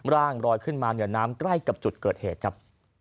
รอยขึ้นมาเหนือน้ำใกล้กับจุดเกิดเหตุครับ